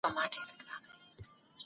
محمود طرزي مولوي غلام محى الدين افغان